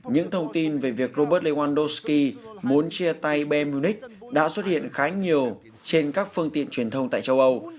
những thông tin về việc robert lewandowski muốn chia tay bm unique đã xuất hiện khá nhiều trên các phương tiện truyền thông tại châu âu